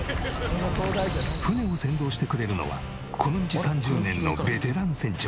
船を先導してくれるのはこの道３０年のベテラン船長。